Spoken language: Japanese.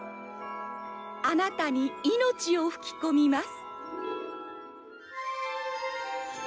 あなたに命を吹き込みます。